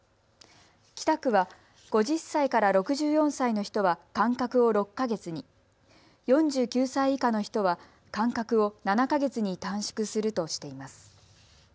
北区は５０歳から６４歳の人は間隔を６か月に、４９歳以下の人は間隔を７か月に短縮するとしています。